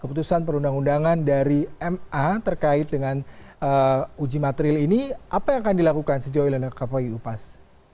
keputusan perundang undangan dari ma terkait dengan uji material ini apa yang akan dilakukan sejauh ilang kpui upas